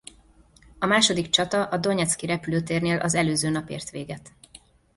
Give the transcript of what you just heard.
A második csata a donecki repülőtérnél az előző nap ért véget.